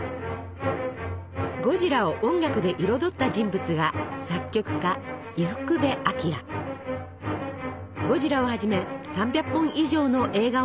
ゴジラを音楽で彩った人物がゴジラをはじめ３００本以上の映画音楽を制作。